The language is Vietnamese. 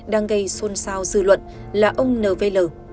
đang gây xôn xao dư luận là ông n v l